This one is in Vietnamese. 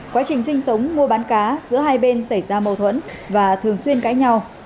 quá trình sinh sống mua bán cá giữa hai bên xảy ra mâu thuẫn và thường xuyên cãi nhau